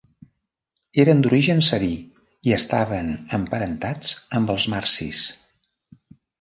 Eren d'origen sabí i estaven emparentats amb els marsis.